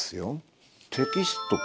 テキストか？